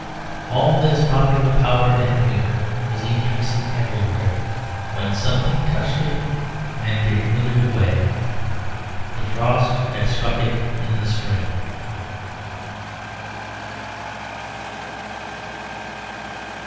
All this popular power and humour was increasing everywhere, when something touched it and it withered away. The frost had struck it in the spring.